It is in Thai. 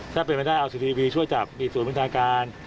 ถ้าเป็นบัญชาการช่วยจับมีส่วนบัญชาการ